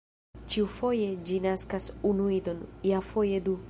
Ĉiufoje ĝi naskas unu idon, iafoje du.